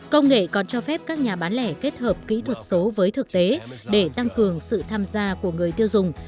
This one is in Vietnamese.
công nghệ còn cho phép các nhà bán lẻ kết hợp kỹ thuật số với thực tế để tăng cường sự tham gia của người tiêu dùng